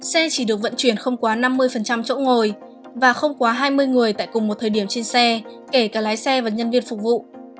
xe chỉ được vận chuyển không quá năm mươi chỗ ngồi và không quá hai mươi người tại cùng một thời điểm trên xe kể cả lái xe và nhân viên phục vụ